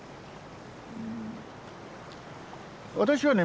私はね